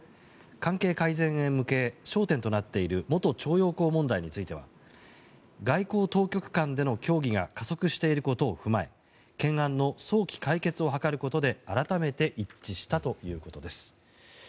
関係改善へ向け焦点となっている元徴用工問題については外交当局間での協議が加速していることを踏まえ懸案の早期解決を図ることで改めて一致したということです。